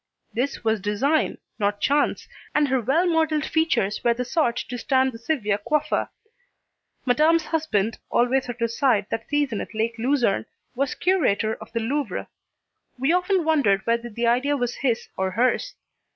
This was design, not chance, and her well modeled features were the sort to stand the severe coiffure, Madame's husband, always at her side that season on Lake Lucerne, was curator of the Louvre. We often wondered whether the idea was his or hers.